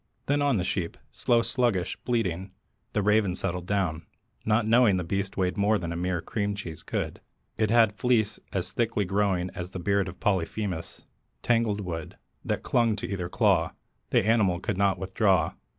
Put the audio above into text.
Then on the sheep, slow, sluggish, bleating, The Raven settled down, not knowing The beast weighed more than a mere cream cheese could. It had a fleece as thickly growing As beard of Polyphemus tangled wood That clung to either claw; the animal could not withdraw.